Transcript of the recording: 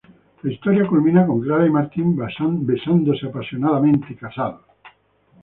La historia culmina con Clara y Martín besándose apasionadamente y casados.